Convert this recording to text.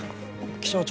気象庁